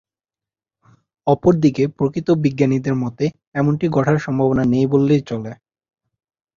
অপরদিকে প্রকৃত বিজ্ঞানীদের মতে এমনটি ঘটার সম্ভাবনা নেই বললেই চলে।